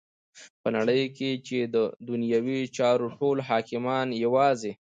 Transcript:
په نړی کی چی ددنیوی چارو ټول حاکمان یواځی